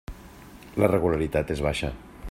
La regularitat és baixa.